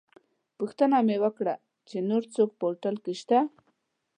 پوښتنه مې وکړه چې نور څوک په هوټل کې شته.